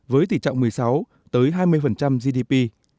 với tỷ trọng một mươi sáu tới hai mươi gdp